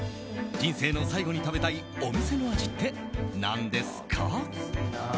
人生の最後に食べたいお店の味ってなんですか？